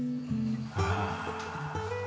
ああ。